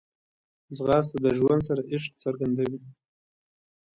ځغاسته د ژوند سره عشق څرګندوي